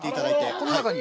この中に？